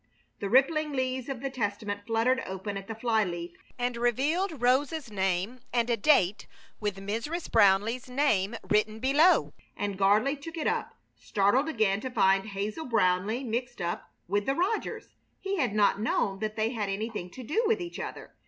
The rippling leaves of the Testament fluttered open at the fly leaf and revealed Rosa's name and a date with Mrs. Brownleigh's name written below, and Gardley took it up, startled again to find Hazel Brownleigh mixed up with the Rogers. He had not known that they had anything to do with each other.